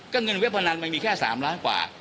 เงินเว็บพนันมันมีแค่๓ล้านกว่า